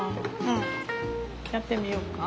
やってみようか？